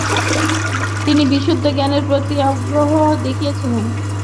তিনি বিশুদ্ধ জ্ঞানের প্রতি আগ্রহ দেখিয়েছিলেন।